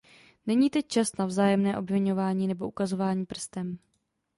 Není teď čas na vzájemné obviňování nebo ukazování prstem.